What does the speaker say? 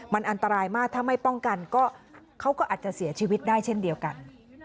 มันอันตรายมากถ้าไม่ป้องกันก็เขาก็อาจจะเสียชีวิตได้เช่นเดียวกัน